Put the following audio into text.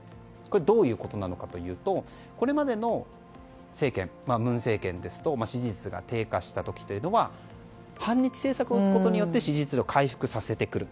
どういうことなのかというとこれまでの政権、文政権ですと支持率が低下した時は反日政策を打つことによって支持率を回復させてくる。